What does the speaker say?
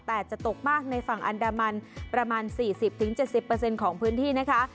แต่จะตกมากในฝั่งอันดามันประมาณสี่สิบถึงเจ็ดสิบเปอร์เซ็นต์ของพื้นที่นะคะ